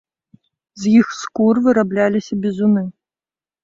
З іх скур вырабляліся бізуны.